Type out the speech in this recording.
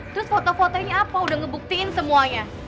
terus foto foto ini apa udah ngebuktiin semuanya